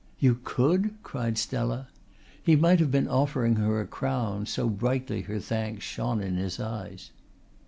"You could?" cried Stella. He might have been offering her a crown, so brightly her thanks shone in her eyes.